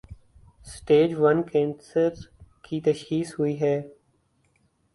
Stage one cancer کی تشخیص ہوئی ہے۔